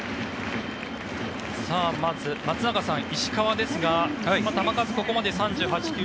まず松坂さん、石川ですが球数、ここまで３８球。